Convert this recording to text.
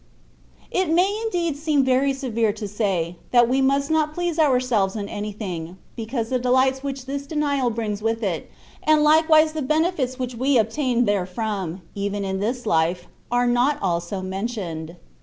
It may indeed seem very severe to say, that we must not please ourselves in anything, because the delights which this denial brings with it, and likewise the benefits which we obtain therefrom, even in this Ufe, are not also mentioned.